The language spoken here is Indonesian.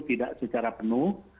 tidak secara penuh